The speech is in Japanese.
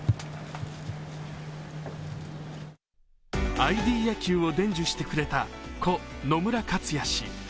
ＩＤ野球を伝授してくれた故・野村克也氏だ。